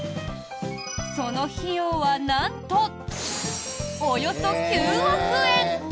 その費用は、なんとおよそ９億円！